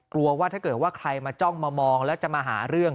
ว่าถ้าเกิดว่าใครมาจ้องมามองแล้วจะมาหาเรื่อง